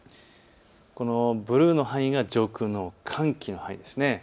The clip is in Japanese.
このブルーの範囲が上空の寒気の範囲です。